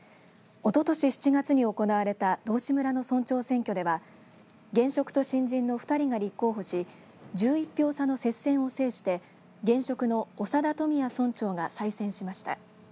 おととし７月に行われた道志村の村長選挙では現職と新人の２人が立候補し１１票差の接戦を制して現職の長田富也村長が再選しました。